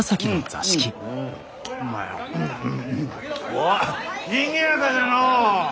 おうにぎやかじゃのう！